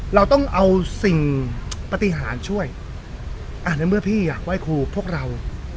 เราต้องเอาสิ่งปฏิหารช่วยอ่าในเมื่อพี่อยากไหว้ครูพวกเรา